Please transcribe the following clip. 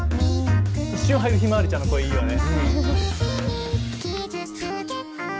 一瞬入るひまわりちゃんの声いいよね。